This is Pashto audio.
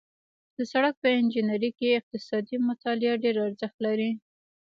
د سړک په انجنیري کې اقتصادي مطالعات ډېر ارزښت لري